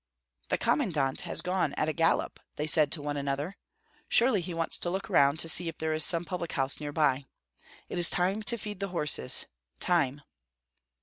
"The commandant has gone at a gallop!" said they to one another. "Surely he wants to look around to see if there is some public house near by. It is time to feed the horses, time."